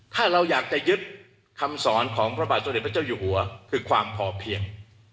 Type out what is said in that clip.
ถ้าเราอยากจะยึดคำสอนของพระบาทสมเด็จพระเจ้าอยู่หัวคือความพอเพียง